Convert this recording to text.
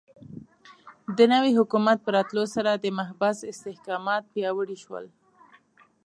د نوي حکومت په راتلو سره د محبس استحکامات پیاوړي شول.